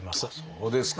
そうですか。